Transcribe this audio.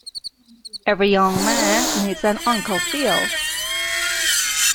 Every young man needs an Uncle Phil.